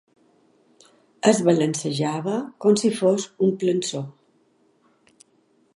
Es balancejava com si fos un plançó.